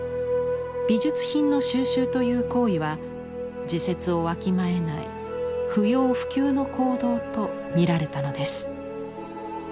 美術品の蒐集という行為は時節をわきまえない不要不急の行動と見られたのです。